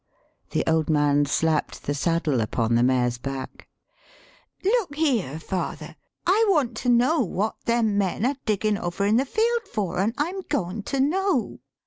The old man slapped the saddle upon the mare's back. "Look here, father, I want to know what them men are diggin' over in the field for, an' I'm goin' to know."